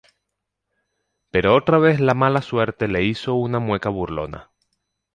Pero otra vez la mala suerte le hizo una mueca burlona.